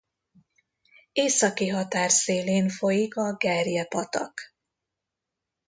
Északi határszélén folyik a Gerje patak.